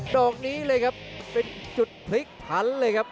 ดอกนี้เลยครับเป็นจุดพลิกผันเลยครับ